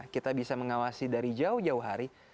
kita bisa mengawasi dari jauh jauh hari